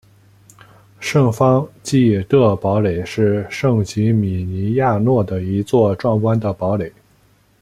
圣方济各堡垒是圣吉米尼亚诺的一座壮观的堡垒。